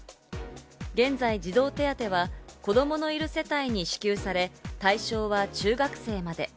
現在、児童手当は子供のいる世帯に支給され、対象は中学生まで。